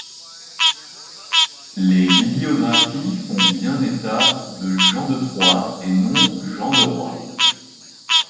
Les Bibliographies font bien état de Jean de Troyes et non Jean de Roye.